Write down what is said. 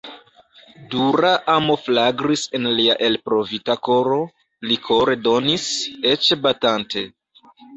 Dura amo flagris en lia elprovita koro; li kore donis, eĉ batante.